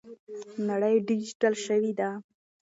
نړۍ ډیجیټل شوې ده.